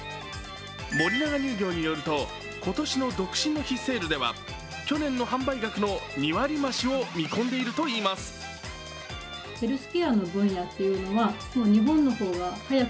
森永乳業によると今年の独身の日セールでは去年の販売額の２割増を見込んでいるといいます。